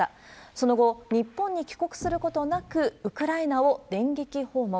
その後、日本に帰国することなくウクライナを電撃訪問。